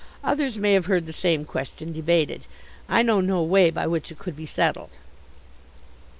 Others may have heard the same question debated. I know no way by which it could be settled.